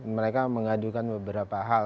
mereka mengadukan beberapa hal